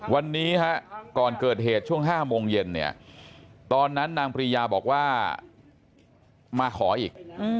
วันนี้ก่อนเกิดเหตุช่วง๕โมงเย็นเนี่ยตอนนั้นนางปริยาบอกว่ามาขออีก